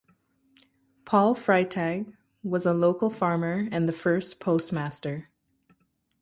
Paul Freitag was a local farmer and the first postmaster.